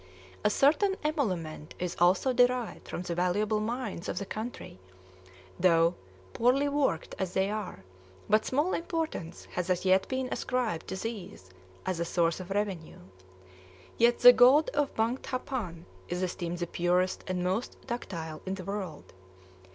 A certain emolument is also derived from the valuable mines of the country, though, poorly worked as they are, but small importance has as yet been ascribed to these as a source of revenue; yet the gold of Bhangtaphan is esteemed the purest and most ductile in the world.